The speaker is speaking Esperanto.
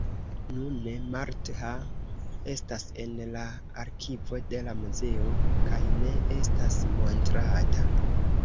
Nune, Martha estas en la arkivo de la muzeo kaj ne estas montrata.